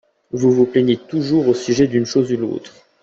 Vous vous plaignez toujours au sujet d'une chose ou l'autre.